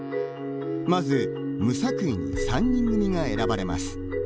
まず、無作為に３人組が選ばれます。